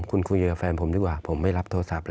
คุณคุยกับแฟนผมดีกว่าผมไม่รับโทรศัพท์